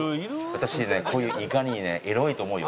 私ねこういういかにねエロいと思うよ。